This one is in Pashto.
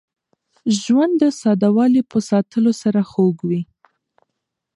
ژوند د ساده والي په ساتلو سره خوږ وي.